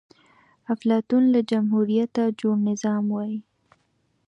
افلاطون له جمهوريته جوړ نظام وای